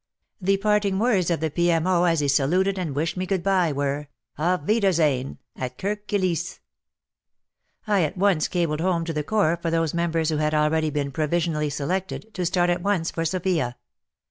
The parting words of the P.M.O. as he saluted and wished me goodbye, were *' Auf wiedersehen —at Kirk Kilisse !" I at once cabled home to the Corps for those members who had already been provisionally selected, to start at once for Sofia.